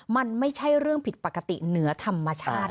มันไม่ใช่เรื่องผิดปกติเหนือธรรมชาติ